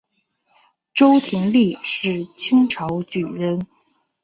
周廷励是清朝举人。